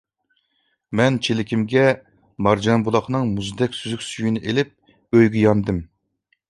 مەن چېلىكىمگە مارجانبۇلاقنىڭ مۇزدەك سۈزۈك سۈيىنى ئېلىپ ئۆيگە ياندىم.